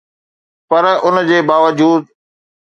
پر ان جي باوجود